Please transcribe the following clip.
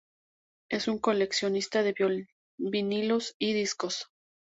Es un coleccionista de vinilos y discos.